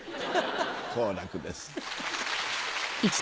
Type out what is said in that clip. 好楽です。